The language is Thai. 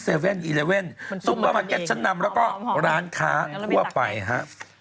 ซุปบ้านเก็ตชั้นนำแล้วก็ร้านค้าทั่วไปฮะ